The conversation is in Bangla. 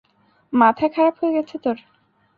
মাথা খারাপ হয়ে গেছে তোর?